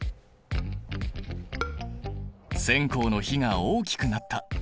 線香の火が大きくなった。